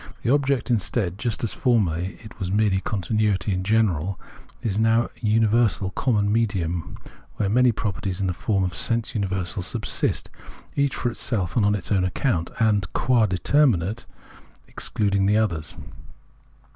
The object, instead, just as formerly it was merely continuity in general, is now a universal common medium where many properties in the form of sense universals subsist, each for itself and on its own account, and, qua determinate, excluding the others.